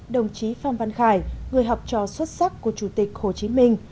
đồng chí phan văn khải người học trò xuất sắc của chủ tịch hồ chí minh